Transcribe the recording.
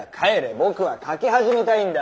僕は描き始めたいんだ。